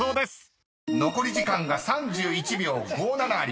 ［残り時間が３１秒５７あります］